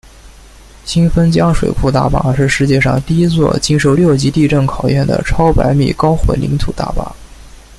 新丰江水库大坝是世界上第一座经受六级地震考验的超百米高混凝土大坝。